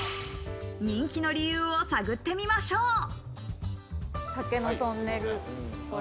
人気の理由を探ってみましょう。